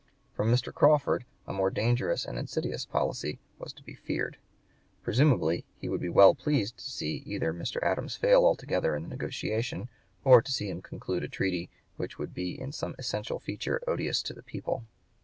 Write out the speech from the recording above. From Mr. Crawford a more dangerous and insidious policy was to be feared. Presumably he would be well pleased either to see Mr. Adams fail altogether in the negotiation, or to see him conclude a treaty which would be in some essential feature odious to the people.